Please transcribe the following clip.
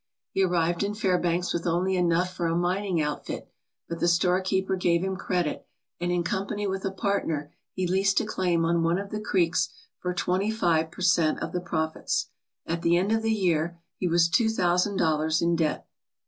He arrived in Fairbanks with only enough for a mining outfit, but the store keeper gave him credit and in company with a partner he leased a claim on one of the creeks for twenty five per cent, of the profits. At the end of the year he was two thousand dollars in debt.